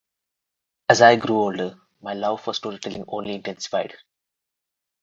As I grew older, my love for storytelling only intensified.